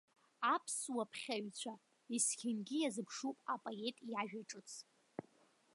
Аԥсуа ԥхьаҩцәа есқьынгьы иазыԥшуп апоет иажәа ҿыц.